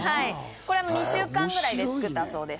これ、２週間ぐらいで作ったそうです。